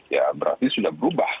ya berarti sudah berubah